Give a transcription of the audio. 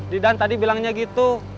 didan tadi bilangnya gitu